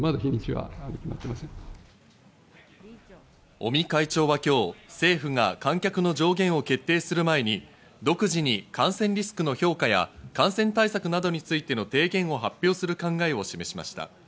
尾身会長は今日、政府が観客の上限を決定する前に独自に感染リスクの評価や感染対策などについての提言を発表する考えを示しました。